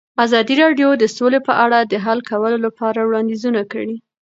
ازادي راډیو د سوله په اړه د حل کولو لپاره وړاندیزونه کړي.